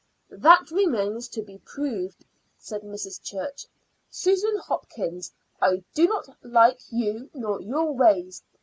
"That remains to be proved," said Mrs. Church. "Susan Hopkins, I don't like you nor your ways.